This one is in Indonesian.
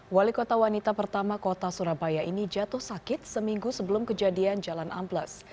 wali kota wanita pertama kota surabaya ini jatuh sakit seminggu sebelum kejadian jalan amplas